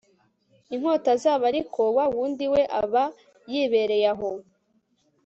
inkota zabo ariko wa wundi we aba yibereye aho